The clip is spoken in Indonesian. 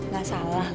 gak salah lo